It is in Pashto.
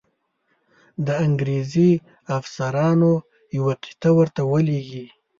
د انګرېزي افسرانو یوه قطعه ورته ولیږي.